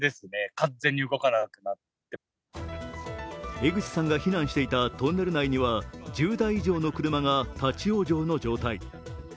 江口さんが避難していたトンネル内には１０台以上の車が立往生の状態。